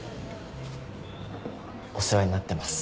お世話になってます。